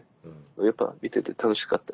やっぱ見てて楽しかったりしてね